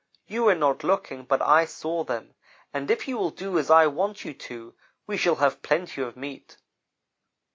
You were not looking, but I saw them, and if you will do as I want you to we shall have plenty of meat.